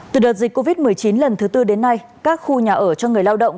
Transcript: từ đợt dịch covid một mươi chín lần thứ tư đến nay các khu nhà ở cho người lao động